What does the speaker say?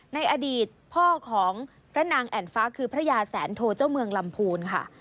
ในอดีตพ่อของพระนางแอ่นฟ้าคือพระยาแสนโทเจ้าเมืองลำพูนค่ะ